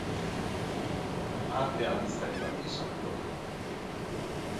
Arte aldizkari bati salduko diot.